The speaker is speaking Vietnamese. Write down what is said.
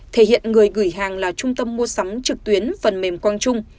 thể hiện người gửi hàng là trung tâm mua sắm trực tuyến phần mềm quang trung